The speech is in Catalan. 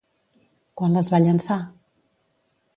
Quan les va llençar?